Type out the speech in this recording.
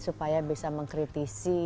supaya bisa mengkritisi